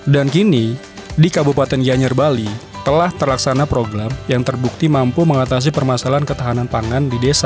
dan kini di kabupaten ganyer bali telah terlaksana program yang terbukti mampu mengatasi permasalahan ketahanan pangan di desa